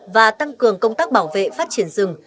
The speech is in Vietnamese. và tăng cường công tác bảo vệ phát triển rừng